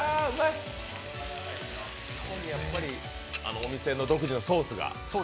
お店独自のソースが？